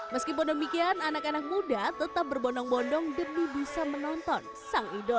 meskipun demikian anak anak muda tetap berbondong bondong demi bisa menonton sang idola